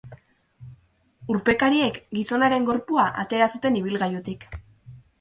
Urpekariek gizonaren gorpua atera zuten ibilgailutik.